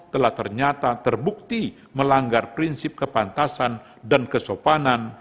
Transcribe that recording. telah ternyata terbukti melanggar prinsip kepantasan dan kesopanan